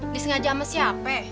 disengaja sama siapa